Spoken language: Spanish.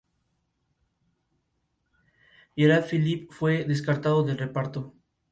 Gerard Philippe fue descartado del reparto.